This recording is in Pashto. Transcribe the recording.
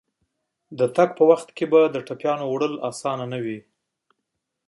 د تګ په وخت کې به د ټپيانو انتقال اسانه نه وي.